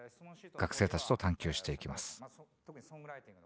学生たちと探求していきます